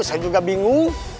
saya juga bingung